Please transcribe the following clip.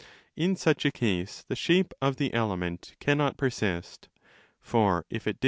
In such a case the shape of the element cannot persist ; for, if it did, the 1 e.